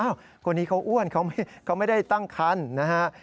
คนนี้เขาอ้วนเขาไม่ได้ตั้งคันนะฮะ